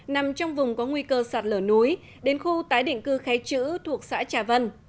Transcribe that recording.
nằm trong vùng có nguy cơ sạt lở núi đến khu tái định cư khe chữ thuộc xã trà vân